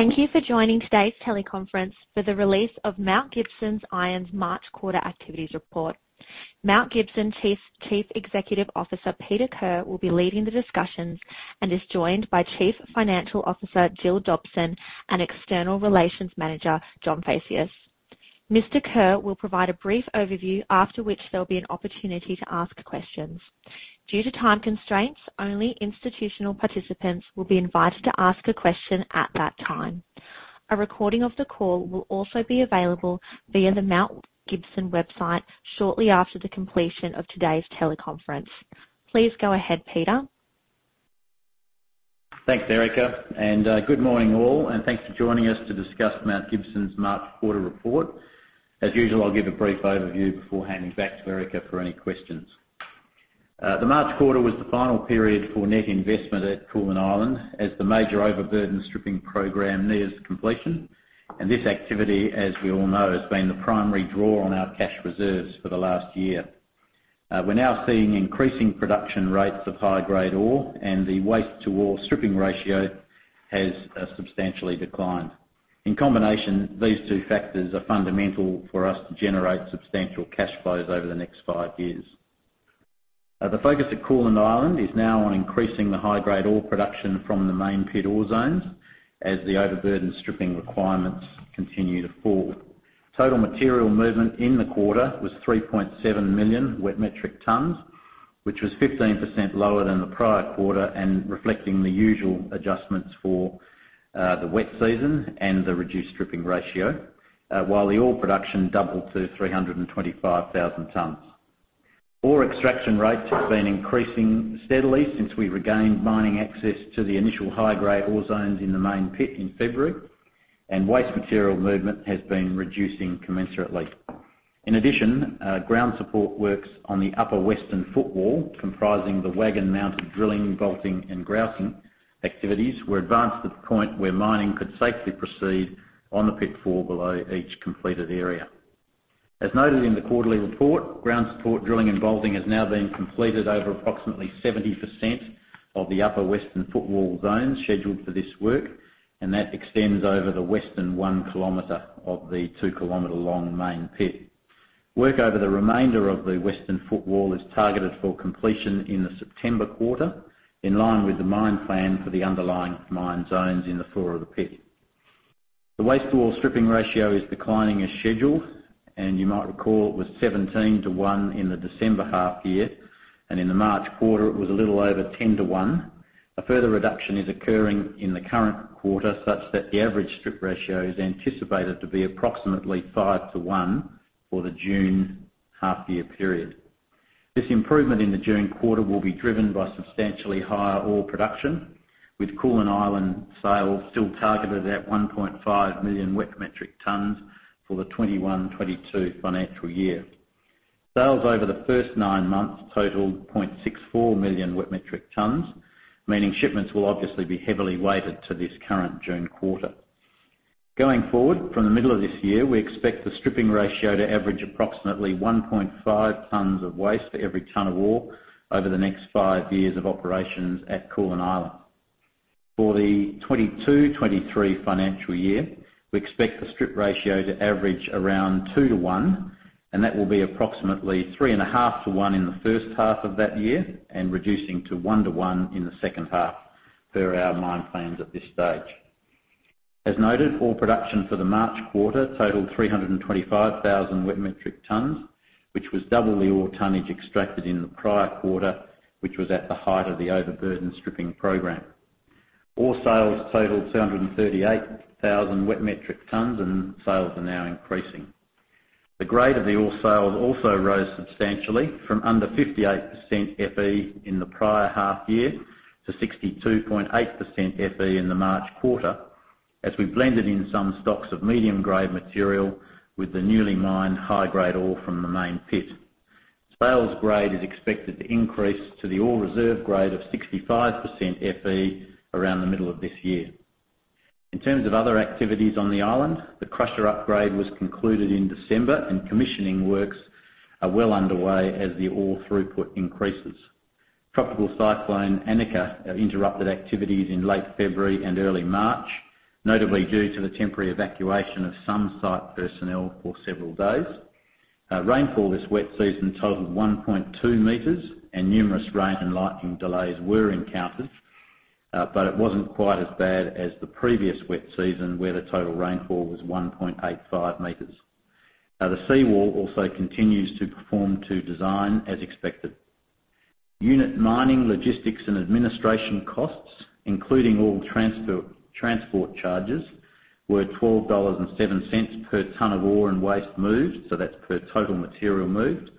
Thank you for joining today's teleconference for the release of Mount Gibson Iron's March quarter activities report. Mount Gibson Iron's Chief Executive Officer, Peter Kerr, will be leading the discussions and is joined by Chief Financial Officer, Gillian Dobson, and External Relations Manager, John Phaceas. Mr. Kerr will provide a brief overview, after which there'll be an opportunity to ask questions. Due to time constraints, only institutional participants will be invited to ask a question at that time. A recording of the call will also be available via the Mount Gibson website shortly after the completion of today's teleconference. Please go ahead, Peter. Thanks, Erica, and good morning all, and thanks for joining us to discuss Mount Gibson's March quarter report. As usual, I'll give a brief overview before handing back to Erica for any questions. The March quarter was the final period for net investment at Koolan Island as the major overburden stripping program nears completion. This activity, as we all know, has been the primary draw on our cash reserves for the last year. We're now seeing increasing production rates of high-grade ore, and the waste-to-ore stripping ratio has substantially declined. In combination, these two factors are fundamental for us to generate substantial cash flows over the next five years. The focus at Koolan Island is now on increasing the high-grade ore production from the Main Pit ore zones as the overburden stripping requirements continue to fall. Total material movement in the quarter was 3.7 million wet metric tons, which was 15% lower than the prior quarter and reflecting the usual adjustments for the wet season and the reduced stripping ratio, while the ore production doubled to 325,000 tons. Ore extraction rates have been increasing steadily since we regained mining access to the initial high-grade ore zones in the Main Pit in February, and waste material movement has been reducing commensurately. In addition, ground support works on the upper western footwall, comprising the wagon-mounted drilling, bolting, and grouting activities, were advanced to the point where mining could safely proceed on the pit floor below each completed area. As noted in the quarterly report, ground support drilling and bolting has now been completed over approximately 70% of the upper western footwall zones scheduled for this work, and that extends over the western 1 kilometer of the 2-kilometer-long Main Pit. Work over the remainder of the western footwall is targeted for completion in the September quarter, in line with the mine plan for the underlying mine zones in the floor of the pit. The waste-to-ore stripping ratio is declining as scheduled, and you might recall it was 17 to 1 in the December half year, and in the March quarter, it was a little over 10 to 1. A further reduction is occurring in the current quarter such that the average strip ratio is anticipated to be approximately 5 to 1 for the June half year period. This improvement in the June quarter will be driven by substantially higher ore production, with Koolan Island sales still targeted at 1.5 million wet metric tons for the 2021/2022 financial year. Sales over the first 9 months totaled 0.64 million wet metric tons, meaning shipments will obviously be heavily weighted to this current June quarter. Going forward, from the middle of this year, we expect the strip ratio to average approximately 1.5 tons of waste for every ton of ore over the next five years of operations at Koolan Island. For the 2022/2023 financial year, we expect the strip ratio to average around 2 to 1, and that will be approximately 3.5 to 1 in the first half of that year and reducing to 1 to 1 in the second half, per our mine plans at this stage. As noted, ore production for the March quarter totaled 325,000 wet metric tons, which was double the ore tonnage extracted in the prior quarter, which was at the height of the overburden stripping program. Ore sales totaled 238,000 wet metric tons, and sales are now increasing. The grade of the ore sales also rose substantially from under 58% FE in the prior half year to 62.8% FE in the March quarter as we blended in some stocks of medium-grade material with the newly mined high-grade ore from the Main Pit. Sales grade is expected to increase to the ore reserve grade of 65% FE around the middle of this year. In terms of other activities on the island, the crusher upgrade was concluded in December, and commissioning works are well underway as the ore throughput increases. Tropical Cyclone Anika interrupted activities in late February and early March, notably due to the temporary evacuation of some site personnel for several days. Rainfall this wet season totaled 1.2 meters, and numerous rain and lightning delays were encountered, but it wasn't quite as bad as the previous wet season where the total rainfall was 1.85 meters. The seawall also continues to perform to design as expected. Unit mining, logistics, and administration costs, including all transport charges, were 12.07 dollars per ton of ore and waste moved, so that's per total material moved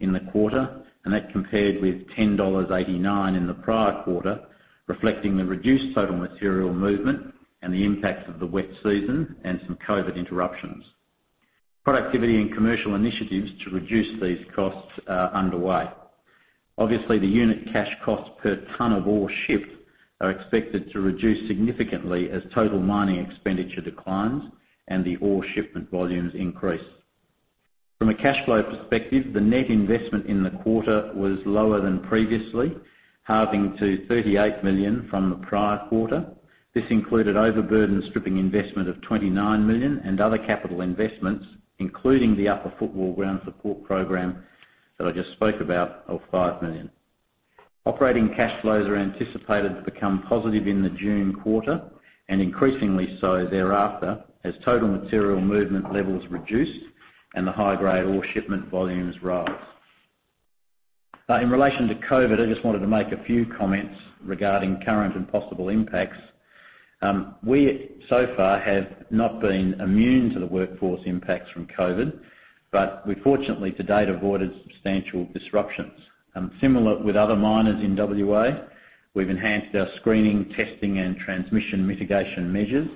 in the quarter. That compared with 10.89 dollars in the prior quarter, reflecting the reduced total material movement and the impacts of the wet season and some COVID interruptions. Productivity and commercial initiatives to reduce these costs are underway. Obviously, the unit cash cost per ton of ore shipped are expected to reduce significantly as total mining expenditure declines and the ore shipment volumes increase. From a cash flow perspective, the net investment in the quarter was lower than previously, halving to 38 million from the prior quarter. This included overburden stripping investment of 29 million and other capital investments, including the upper footwall ground support program that I just spoke about of 5 million. Operating cash flows are anticipated to become positive in the June quarter, and increasingly so thereafter, as total material movement levels reduce and the high-grade ore shipment volumes rise. In relation to COVID, I just wanted to make a few comments regarding current and possible impacts. We, so far have not been immune to the workforce impacts from COVID, but we fortunately to date avoided substantial disruptions. Similar with other miners in WA, we've enhanced our screening, testing, and transmission mitigation measures,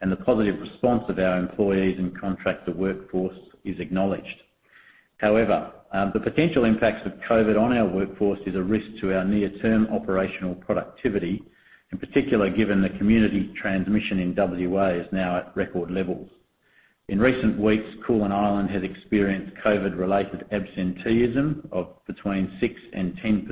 and the positive response of our employees and contractor workforce is acknowledged. However, the potential impacts of COVID on our workforce is a risk to our near-term operational productivity, in particular, given the community transmission in WA is now at record levels. In recent weeks, Koolan Island has experienced COVID-related absenteeism of between 6% and 10%,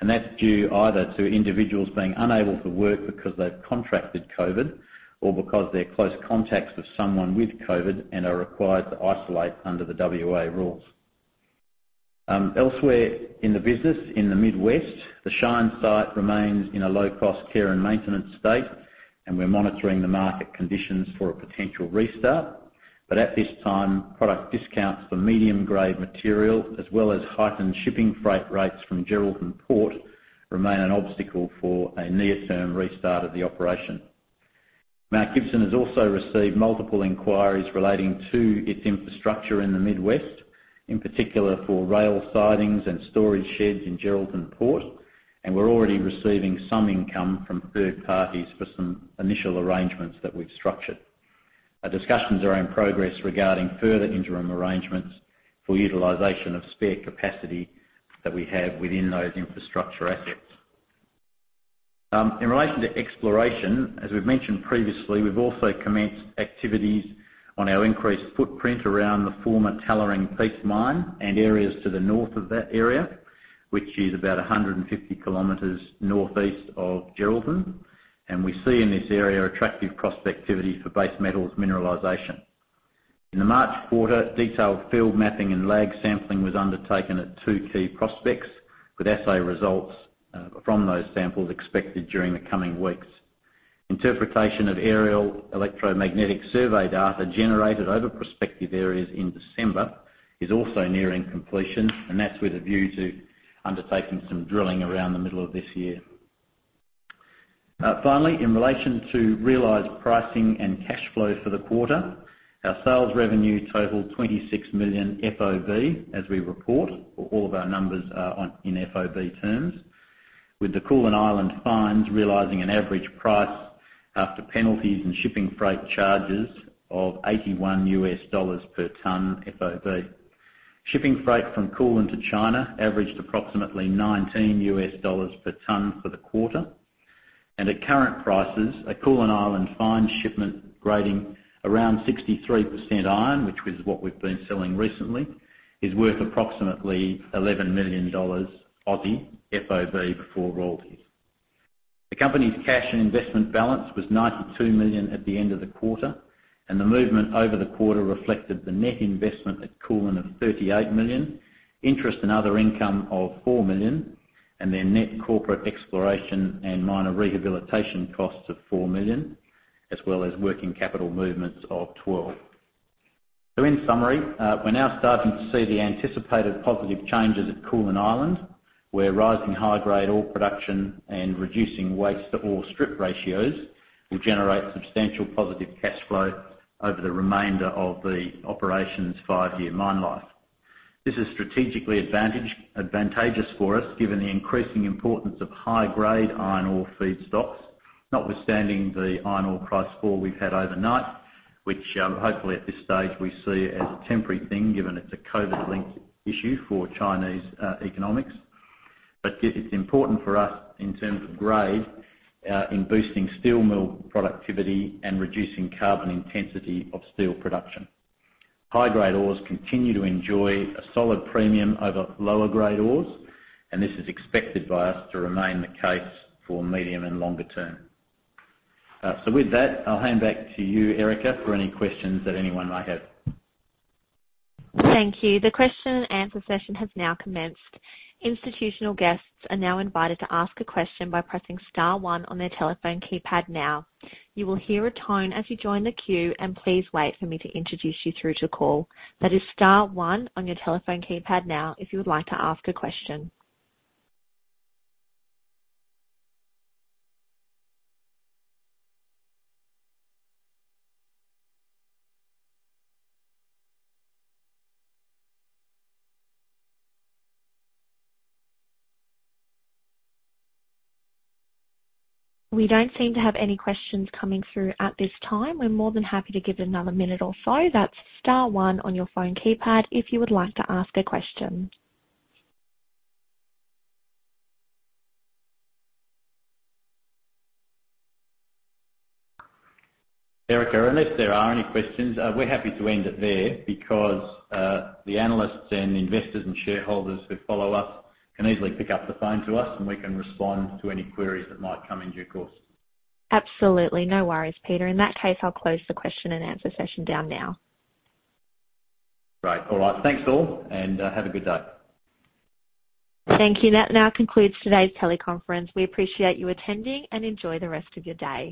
and that's due either to individuals being unable to work because they've contracted COVID or because they're close contacts with someone with COVID and are required to isolate under the WA rules. Elsewhere in the business, in the Mid West, the Shine site remains in a low-cost care and maintenance state, and we're monitoring the market conditions for a potential restart. At this time, product discounts for medium-grade material as well as heightened shipping freight rates from Geraldton Port remain an obstacle for a near-term restart of the operation. Mount Gibson has also received multiple inquiries relating to its infrastructure in the Mid West, in particular for rail sidings and storage sheds in Geraldton Port, and we're already receiving some income from third parties for some initial arrangements that we've structured. Our discussions are in progress regarding further interim arrangements for utilization of spare capacity that we have within those infrastructure assets. In relation to exploration, as we've mentioned previously, we've also commenced activities on our increased footprint around the former Tallering Peak mine and areas to the north of that area, which is about 150 kilometers northeast of Geraldton. We see in this area attractive prospectivity for base metals mineralization. In the March quarter, detailed field mapping and lag sampling was undertaken at two key prospects, with assay results from those samples expected during the coming weeks. Interpretation of airborne electromagnetic survey data generated over prospective areas in December is also nearing completion, and that's with a view to undertaking some drilling around the middle of this year. Finally, in relation to realized pricing and cash flow for the quarter, our sales revenue totaled 26 million FOB as we report. All of our numbers are in FOB terms. With the Koolan Island fines realizing an average price after penalties and shipping freight charges of $81 per ton FOB. Shipping freight from Koolan to China averaged approximately $19 per ton for the quarter. At current prices, a Koolan Island fine shipment grading around 63% iron, which is what we've been selling recently, is worth approximately 11 million Aussie dollars FOB before royalties. The company's cash and investment balance was AUD 92 million at the end of the quarter, and the movement over the quarter reflected the net investment at Koolan of 38 million, interest and other income of 4 million, and their net corporate exploration and minor rehabilitation costs of 4 million, as well as working capital movements of 12 million. In summary, we're now starting to see the anticipated positive changes at Koolan Island, where rising high-grade ore production and reducing waste to ore strip ratios will generate substantial positive cash flow over the remainder of the operation's five-year mine life. This is strategically advantageous for us, given the increasing importance of high-grade iron ore feedstocks, notwithstanding the iron ore price fall we've had overnight, which, hopefully at this stage, we see as a temporary thing, given it's a COVID-linked issue for Chinese economics. It's important for us in terms of grade, in boosting steel mill productivity and reducing carbon intensity of steel production. High-grade ores continue to enjoy a solid premium over lower grade ores, and this is expected by us to remain the case for medium and longer term. With that, I'll hand back to you, Erica, for any questions that anyone may have. Thank you. The question and answer session has now commenced. Institutional guests are now invited to ask a question by pressing star one on their telephone keypad now. You will hear a tone as you join the queue, and please wait for me to introduce you through to call. That is star one on your telephone keypad now if you would like to ask a question. We don't seem to have any questions coming through at this time. We're more than happy to give it another minute or so. That's star one on your phone keypad if you would like to ask a question. Erica, unless there are any questions, we're happy to end it there because the analysts and investors and shareholders who follow us can easily pick up the phone to us, and we can respond to any queries that might come in due course. Absolutely. No worries, Peter. In that case, I'll close the question and answer session down now. Great. All right. Thanks, all, and have a good day. Thank you. That now concludes today's teleconference. We appreciate you attending, and enjoy the rest of your day.